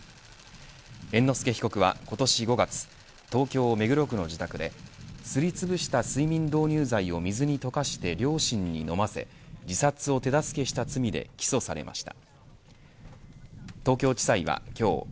猿之助被告は今年５月東京、目黒区の自宅ですりつぶした睡眠導入剤を水に溶かして両親に飲ませ自殺を手助けした罪で起訴されました。